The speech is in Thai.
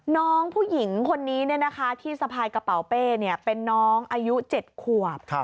น้องผู้หญิงคนนี้ที่สะพายกระเป๋าเป้เป็นน้องอายุ๗ขวบ